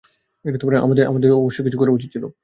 আমাদের অবশ্যই কিছু করা উচিৎ!